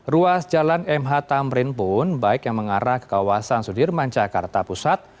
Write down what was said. ruas jalan mh tamrin pun baik yang mengarah ke kawasan sudirman jakarta pusat